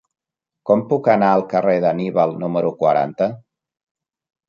Com puc anar al carrer d'Anníbal número quaranta?